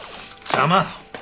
邪魔！